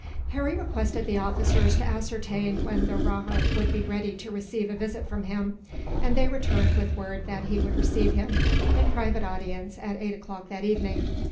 Harry requested the officers to ascertain when the rajah would be ready to receive a visit from him, and they returned with word that he would receive him, in private audience, at eight o'clock that evening.